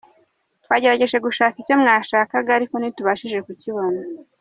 Twagerageje gushaka icyo mwashakaga, ariko ntitubashije kukibona.